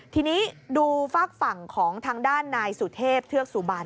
ทีนี้ดูฝากฝั่งของทางด้านนายสุเทพเทือกสุบัน